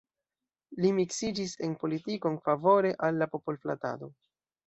Li miksiĝis en politikon, favore al la popol-flatado.